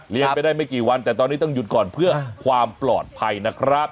ไปได้ไม่กี่วันแต่ตอนนี้ต้องหยุดก่อนเพื่อความปลอดภัยนะครับ